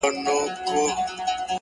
پرمختګ د زړو عادتونو ماتول غواړي،